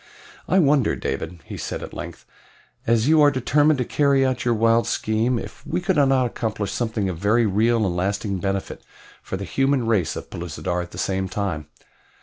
"I wonder, David," he said at length, "as you are determined to carry out your wild scheme, if we could not accomplish something of very real and lasting benefit for the human race of Pellucidar at the same time.